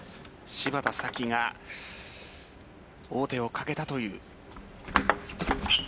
芝田沙季が王手をかけたという。